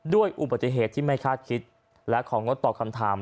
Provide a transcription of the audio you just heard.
ด้วยอุบัติเหตุที่ไม่คาดคิดและของงดตอบคำถาม